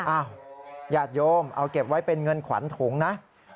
ญาติโยมเอาเก็บไว้เป็นเงินขวัญถุงนะ